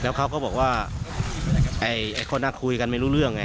เขาก็บอกว่าไอ้คนนั้นคุยกันไม่รู้เรื่องไง